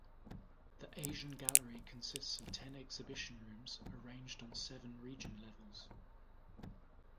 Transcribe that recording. The Asian Gallery consists of ten exhibition rooms arranged on seven region levels.